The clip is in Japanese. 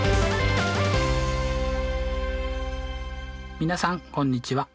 皆さんこんにちは。